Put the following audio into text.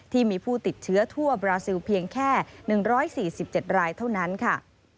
ที่มีผู้ติดเชื้อทั่วบราซิลเพียงแค่๑๔๗รายเท่านั้นค่ะ